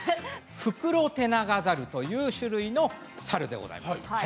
フクロテナガザルという種類の猿でございます。